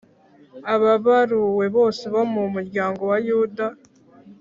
Ababaruwe bose bo mu muryango wa Yuda